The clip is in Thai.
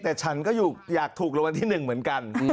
แต่ฉันก็อยู่อยากถูกรวมที่๑เหมือนกัน